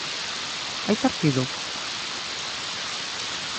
Hai partido?